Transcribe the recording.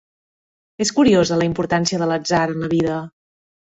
És curiosa la importància de l'atzar en la vida.